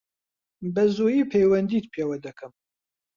بەزوویی پەیوەندیت پێوە دەکەم.